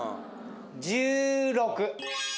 １６。